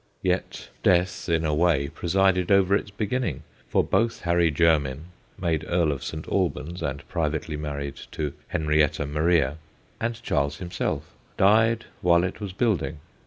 Yet Death, in a way, presided over its beginning, for both Harry Jermyn (made Earl of St. Albans and privately married to Henrietta Maria) and Charles himself died while it was build ing.